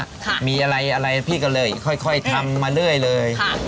ค่ะมีอะไรพี่ก็เลยค่อยทำมาเรื่อยเลย